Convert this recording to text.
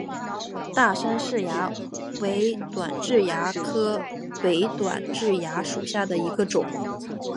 大杉氏蚜为短痣蚜科伪短痣蚜属下的一个种。